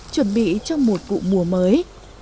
chuẩn bị cho một vụ mùa mới